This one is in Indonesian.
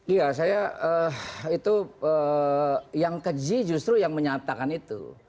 iya saya itu yang keji justru yang menyatakan itu